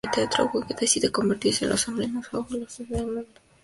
Woo Ki Myung decide convertirse en el hombre más fabuloso del mundo.